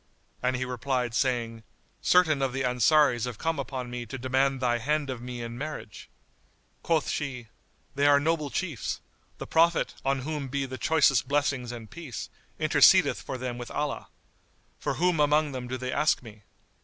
And he replied, saying, "Certain of the Ansaris have come upon me to demand thy hand of me in marriage." Quoth she, "They are noble chiefs; the Prophet, on whom be the choicest blessings and peace, intercedeth for them with Allah. For whom among them do they ask me?"